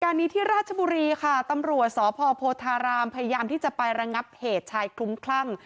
นี้ที่ราชบุรีค่ะตำรวจสพโพธารามพยายามที่จะไประงับเหตุชายคลุ้มคลั่ง